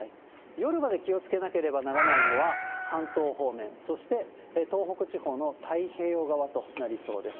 夜まで気をつけなければならないのは関東方面、そして東北地方の太平洋側となりそうです。